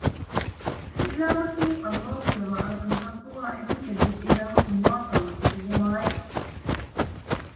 އިސްލާމަކީ، ﷲ ފިޔަވައި އަޅުކަން ޙައްޤުވާ އެހެން އެއްވެސް އިލާހަކު ނުވާ ކަމަށް ހެކިވުމާއި